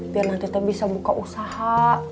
biar nanti teh bisa buka usaha